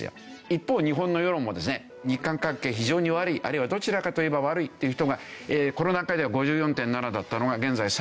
一方日本の世論もですね日韓関係非常に悪いあるいはどちらかといえば悪いっていう人がこの段階では５４．７だったのが現在３９．８。